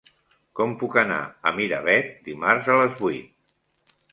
Com puc anar a Miravet dimarts a les vuit?